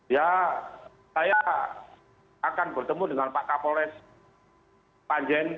ya saya akan bertemu dengan pak kapolres panjen